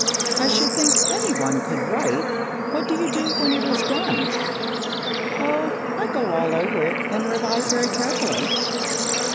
"I should think any one could write. What do you do when it is done?" "Oh, I go all over it and revise very carefully."